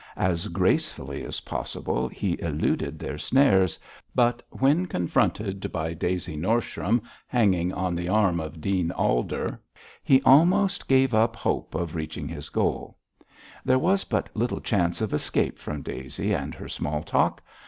As gracefully as possible he eluded their snares, but when confronted by Daisy Norsham hanging on the arm of Dean Alder, he almost gave up hope of reaching his goal. There was but little chance of escape from Daisy and her small talk.